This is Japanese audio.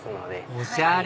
おしゃれ！